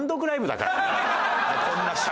こんな尺。